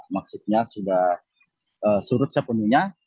maksudnya sudah surut sepenuhnya